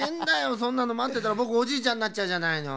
そんなのまってたらぼくおじいちゃんになっちゃうじゃないの。